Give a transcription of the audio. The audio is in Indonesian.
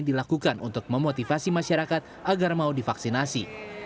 dilakukan untuk memotivasi masyarakat agar mau divaksinasi